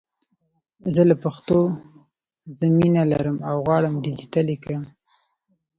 زه له پښتو زه مینه لرم او غواړم ډېجیټل یې کړم!